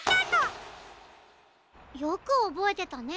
よくおぼえてたね。